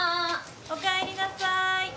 ・おかえりなさい。